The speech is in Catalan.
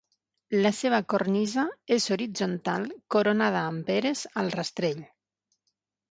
La seva cornisa és horitzontal coronada amb peres al rastell.